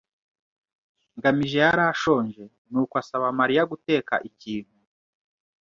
ngamije yari ashonje, nuko asaba Mariya guteka ikintu.